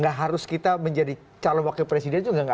tidak harus kita menjadi calon wakil presiden